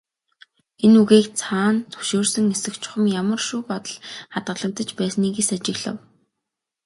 Энэ үгийн цаана зөвшөөрсөн эсэх, чухам ямар шүү бодол хадгалагдаж байсныг эс ажиглав.